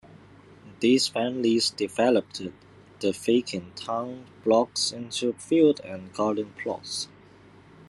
These families developed the vacant town blocks into fields and garden plots.